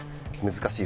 「難しい」？